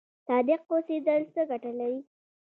صادق اوسیدل څه ګټه لري؟